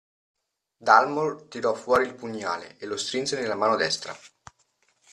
Dalmor tirò fuori il pugnale, e lo strinse nella mano destra.